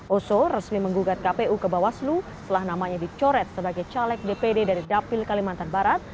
oso resmi menggugat kpu ke bawaslu setelah namanya dicoret sebagai caleg dpd dari dapil kalimantan barat